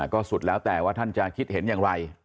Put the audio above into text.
ก็สุดแล้วแต่ว่าท่านจะคิดเห็นอย่างไร